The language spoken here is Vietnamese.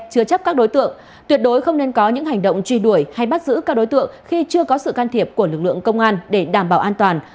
chứa chấp các đối tượng tuyệt đối không nên có những hành động truy đuổi hay bắt giữ các đối tượng khi chưa có sự can thiệp của lực lượng công an để đảm bảo an toàn